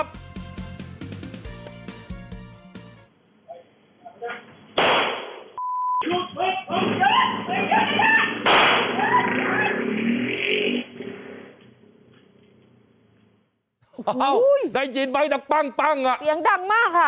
เสียงดังมากค่ะ